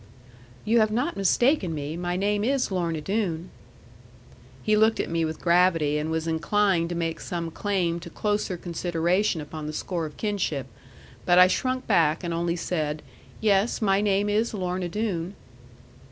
'"You have not mistaken me. My name is Lorna Doone." 'He looked at me, with gravity, and was inclined to make some claim to closer consideration upon the score of kinship; but I shrunk back, and only said, "Yes, my name is Lorna Doone."